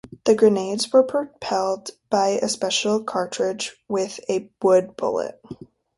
The grenades were propelled by a special cartridge with a wood bullet.